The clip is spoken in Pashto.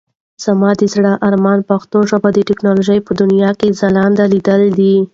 زما د زړه ارمان پښتو ژبه د ټکنالوژۍ په دنيا کې ځلانده ليدل دي.